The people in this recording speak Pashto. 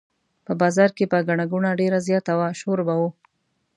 په بازار کې به ګڼه ګوڼه ډېره زیاته وه شور به و.